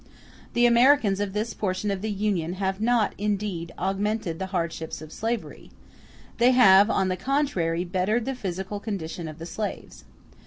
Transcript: The Americans of this portion of the Union have not, indeed, augmented the hardships of slavery; they have, on the contrary, bettered the physical condition of the slaves.